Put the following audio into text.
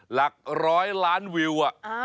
หลักร้อยล้านวิว